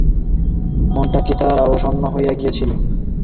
মনটা কি তার অবসন্ন হইয়া গিয়াছিল?